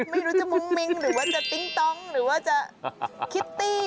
ไม่รู้จะมุ้งมิ้งหรือว่าจะติ๊งต้องหรือว่าจะคิตตี้